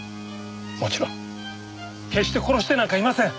もちろん決して殺してなんかいません！